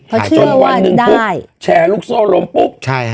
เขาเชื่อวันได้แชร์ลูกโซลมปุ๊บ